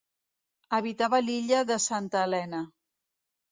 Habitava l'Illa de Santa Helena.